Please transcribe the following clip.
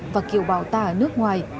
và kiểu bào ta ở nước ngoài